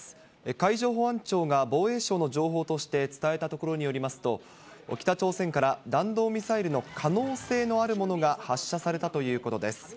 海上保安庁が防衛省の情報として伝えたところによりますと、北朝鮮から弾道ミサイルの可能性のあるものが発射されたということです。